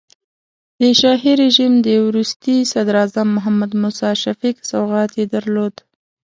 د شاهي رژیم د وروستي صدراعظم محمد موسی شفیق سوغات یې درلود.